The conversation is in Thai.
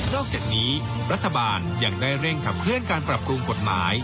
อกจากนี้รัฐบาลยังได้เร่งขับเคลื่อนการปรับปรุงกฎหมาย